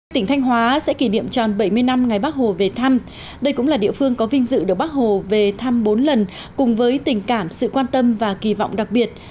tỉnh thanh hóa sẽ kỷ niệm tròn bảy mươi năm ngày bắc hồ về thăm đây cũng là địa phương có vinh dự được bác hồ về thăm bốn lần cùng với tình cảm sự quan tâm và kỳ vọng đặc biệt